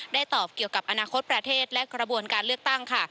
ตอบเกี่ยวกับอนาคตประเทศและกระบวนการเลือกตั้งค่ะ